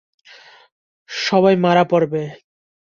সবাই মারা পড়বে।